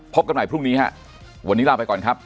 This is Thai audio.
กันใหม่พรุ่งนี้ฮะวันนี้ลาไปก่อนครับ